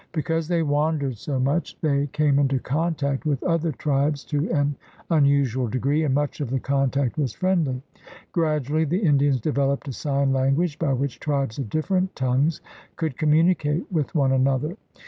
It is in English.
Because they wandered so much, they came into contact with other tribes to an unusual degree, and much of the contact was friendly. Gradually the Indians developed a sign language by which tribes of different tongues could com municate with one another.